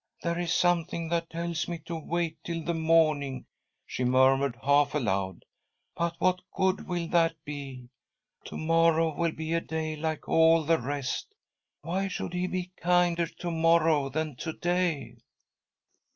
" There is something that tells me to wait till the morning," she murmured, half aloud, "but what good will that be ? To njorrow will be a day like all the rest. Why should he be kinder to morrow than to day